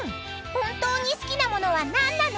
［本当に好きな物は何なの？］